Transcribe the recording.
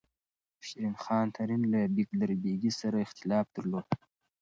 شېرخان ترین له بیګلربیګي سره اختلاف درلود.